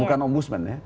bukan om busman ya